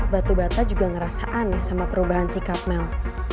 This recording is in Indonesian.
batu bata juga ngerasa aneh sama perubahan sikap mel